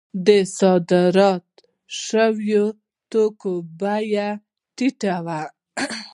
د صادر شویو توکو بیه یې ټیټه وي